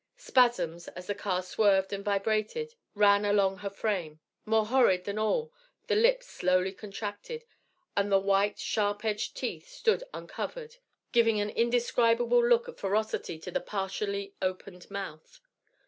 Spasms, as the car swerved and vibrated, ran along her frame. More horrid than all, the lips slowly contracted, and the white, sharp edged teeth stood uncovered, giving an indescribable look of ferocity to the partially opened mouth.